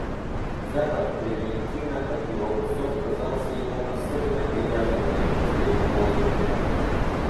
Запах брильянтина от его усов казался ему особенно приятным на этом свежем воздухе.